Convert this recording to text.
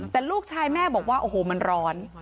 แต่ลูกชายแม่บอกว่าโอ้โหมันร้อน